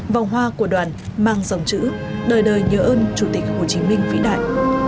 vòng hoa của đoàn mang dòng chữ đời đời nhớ ơn chủ tịch hồ chí minh vĩ đại